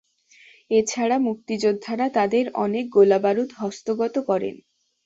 এ ছাড়া মুক্তিযোদ্ধারা তাদের অনেক গোলাবারুদ হস্তগত করেন।